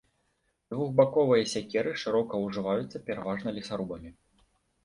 Двухбаковыя сякеры шырока ўжываюцца пераважна лесарубамі.